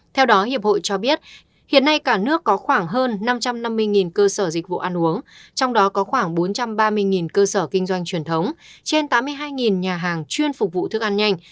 theo đó hiệp hội cho biết hiện nay cả nước có khoảng hơn năm trăm năm mươi cơ sở dịch vụ ăn uống trong đó có khoảng bốn trăm ba mươi cơ sở kinh doanh truyền thống trên tám mươi hai nhà hàng chuyên phục vụ thức ăn nhanh